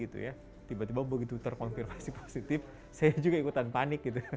tiba tiba begitu terkonfirmasi positif saya juga ikutan panik